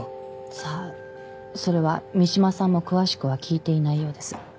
さあそれは三島さんも詳しくは聞いていないようです